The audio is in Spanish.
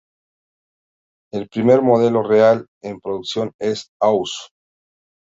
El primer modelo real en producción, el Ausf.